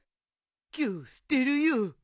今日捨てるよ。